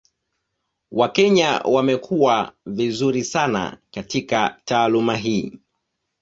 Wakenya wamekuwa vizuri sana katika taaluma hii.